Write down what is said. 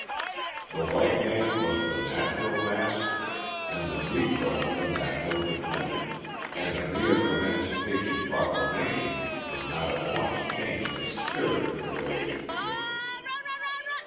The white man was the natural master and the Negro the natural dependent and a mere Emancipation Proclamation did not at once change the spirit of the relationship.